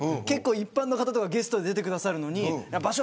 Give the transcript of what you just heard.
一般の方とかゲストで出てくださるのに場所